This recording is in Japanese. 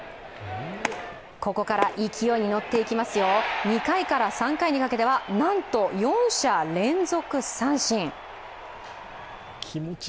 ここから勢いに乗っていきますよ、２回から３回にかけてはなんと４者連続三振。